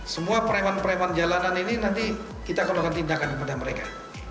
semua preman preman jalanan ini nanti kita akan lakukan tindakan kepada mereka